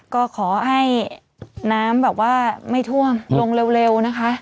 ก็ขอให้น้ำไม่ท่วมลงเร็วนะคะ